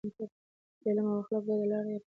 د علم او اخلاقو ګډه لار يې خپله کړې وه.